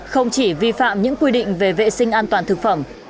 không chỉ vi phạm những quy định về vệ sinh an toàn thực phẩm